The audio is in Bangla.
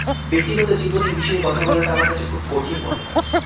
ব্যক্তিগত জীবনের বিষয় নিয়ে কথা বলাটা আমার কাছে খুব কঠিন মনে হয়।